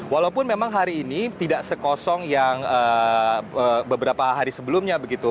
walaupun memang hari ini tidak sekosong yang beberapa hari sebelumnya begitu